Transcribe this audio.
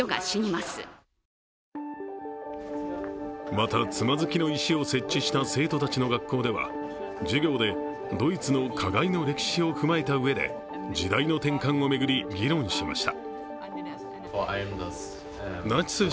また、つまずきの石を設置した生徒たちの学校では授業でドイツの加害の歴史を踏まえたうえで、時代の転換を巡り議論しました。